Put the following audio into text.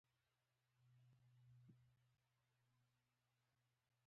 د تیلو ور اچول او د مبلایلو پر وخت باندي بدلول.